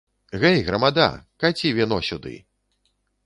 Гэй, грамада, каці віно сюды.